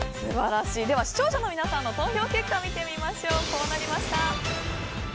視聴者の皆さんの投票結果見てみましょう。